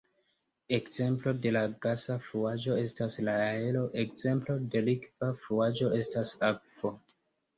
Ekzemplo de gasa fluaĵo estas la aero; ekzemplo de likva fluaĵo estas akvo.